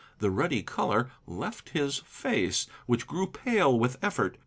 The ruddy color left his face, which grew pale with effort.